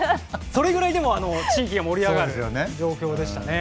それぐらい地域が盛り上がる状況でしたね。